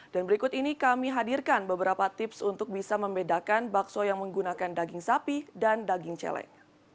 dan berikut ini kami hadirkan beberapa tips untuk bisa membedakan bakso yang menggunakan daging sapi dan daging celeng